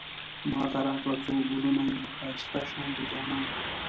ماته راکړه څو ګلونه، يو ښايسته شانتی جانان